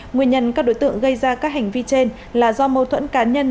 nguyên nhân các đối tượng gây ra các hành vi trên là do mâu thuẫn cá nhân